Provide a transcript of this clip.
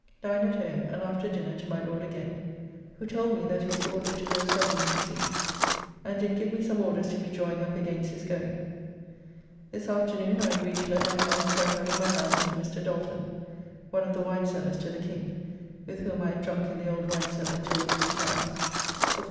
Dined at home, and after dinner to my Lord again, who told me that he is ordered to go suddenly to sea, and did give me some orders to be drawing up against his going. This afternoon I agreed to let my house quite out of my hands to Mr. Dalton (one of the wine sellers to the King, with whom I had drunk in the old wine cellar two or three times) for L41.